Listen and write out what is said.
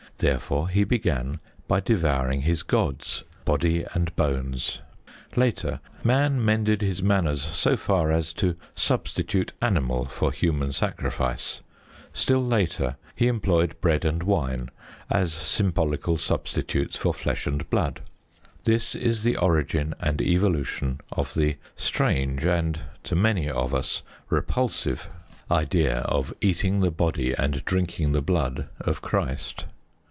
Therefore he began by devouring his gods, body and bones. Later, man mended his manners so far as to substitute animal for human sacrifice; still later he employed bread and wine as symbolical substitutes for flesh and blood. This is the origin and evolution of the strange and, to many of us, repulsive idea of eating the body and drinking the blood of Christ.